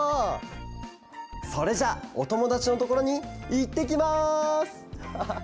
それじゃあおともだちのところにいってきます！